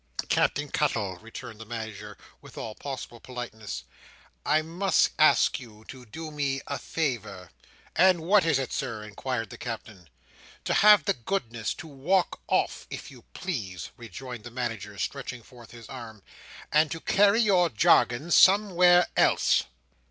"Captain Cuttle," returned the Manager, with all possible politeness, "I must ask you to do me a favour." "And what is it, Sir?" inquired the Captain. "To have the goodness to walk off, if you please," rejoined the Manager, stretching forth his arm, "and to carry your jargon somewhere else."